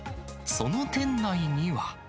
その店内には。